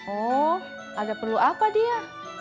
oh ada perlu apa dia